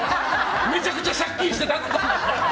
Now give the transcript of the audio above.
めちゃくちゃ借金して建てたのに！